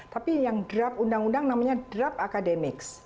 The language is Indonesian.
tapi yang draft undang undang namanya draft akademiks